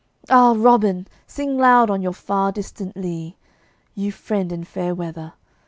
Ah, Robin! sing loud on your far distant lea, You friend in fair weather!